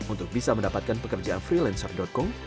untuk bisa mendapatkan pekerjaan freelancer com